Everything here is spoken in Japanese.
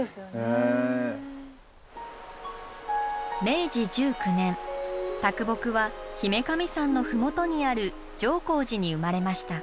明治１９年啄木は姫神山の麓にある常光寺に生まれました。